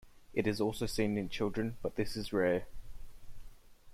It is also seen in children, but this is rare.